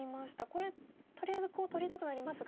これとりあえずコウ取りたくなりますが。